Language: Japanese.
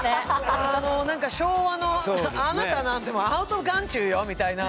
なんか昭和の「あなたなんてアウトオブ眼中よ」みたいな。